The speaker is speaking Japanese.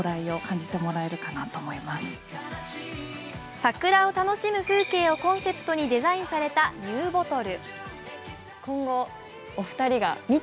桜を楽しむ風景をコンセプトにデザインされたニューボトル。